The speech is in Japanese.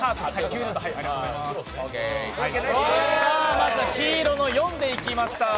まず黄色の４でいきました。